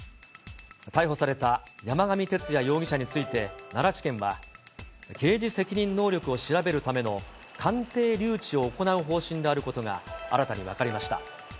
逮捕された山上徹也容疑者について、奈良地検は、刑事責任能力を調べるための鑑定留置を行う方針であることが新たに分かりました。